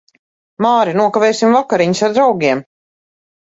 Māri, nokavēsim vakariņas ar draugiem.